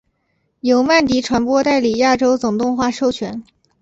由曼迪传播代理亚洲总动画授权。